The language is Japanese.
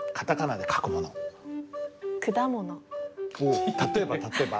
おっ例えば例えば？